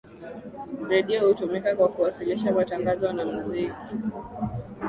redio hutumika kwa kuwasiliana matangazo na muziki